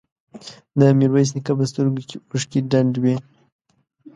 د ميرويس نيکه په سترګو کې اوښکې ډنډ وې.